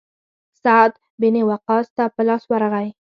سعد بن وقاص ته په لاس ورغی.